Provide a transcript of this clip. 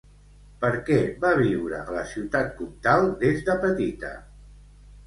Per què va viure a la Ciutat Comtal des de petita?